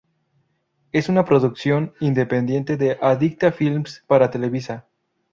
Es una producción independiente de Adicta Films para Televisa.